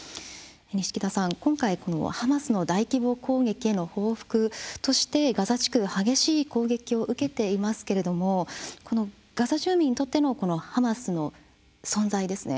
錦田さん、今回、ハマスの大規模攻撃への報復としてガザ地区、激しい攻撃を受けていますけれどもガザ住民にとってのハマスの存在ですね